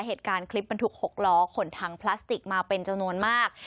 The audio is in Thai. เหตุการณ์คลิปมันถูกหกล้อขนทางพลาสติกมาเป็นเจ้านวลมาก